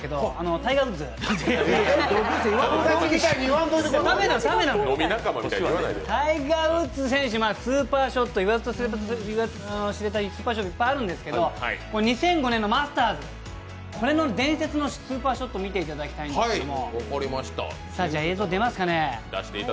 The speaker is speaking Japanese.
タイガー・ウッズ選手、言わずと知れたスーパーショットはいっぱいあるんですけど２００５年のマスターズの伝説のスーパーショットを見ていただきたいんですけれども。